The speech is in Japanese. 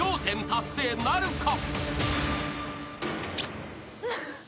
１０達成なるか？］